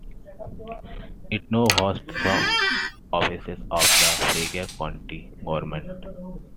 It now hosts some offices of the Fauquier County government.